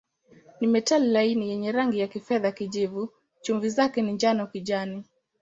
Ni metali laini yenye rangi ya kifedha-kijivu, chumvi zake ni njano-kijani.